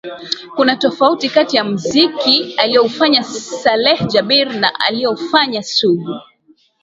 Kuna tofauti kati ya muziki aliofanya Saleh Jabir na aliofanya Sugu